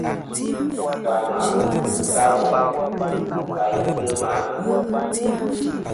Ka mà lu ka wàyn taysɨ ma.